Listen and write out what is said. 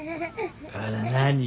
あら何？